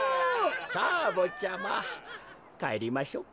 さあぼっちゃまかえりましょうか。